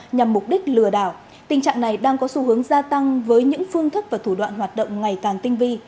nhằm mục đích lừa đảo tình trạng này đang có xu hướng gia tăng với những phương thức và thủ đoạn hoạt động ngày càng tinh vi